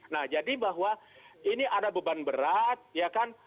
nah jadi bahwa ini ada beban berat ya kan